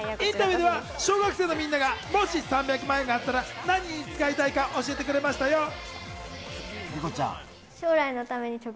インタビューでは小学生のみんながもし３００万円があったら何に使いたいかを教えてくれましたよ。